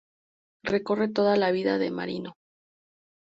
Recorre toda la vida de Marino.